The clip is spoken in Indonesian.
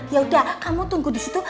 yaudah kamu tunggu disitu